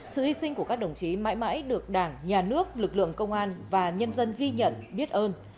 sự hy sinh của các đồng chí mãi mãi được đảng nhà nước lực lượng công an và nhân dân ghi nhận biết ơn